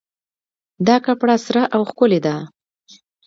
دا کپړه سره او ښکلې ده